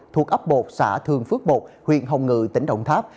thuộc ấp bột xã thường phước một huyện hồng ngự tỉnh động tháp